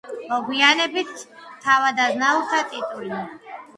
მოგვიანებით თავადაზნაურთა ტიტული.